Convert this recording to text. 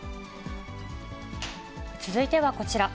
続いてはこちら。